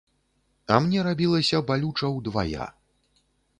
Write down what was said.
А мне рабілася балюча ўдвая.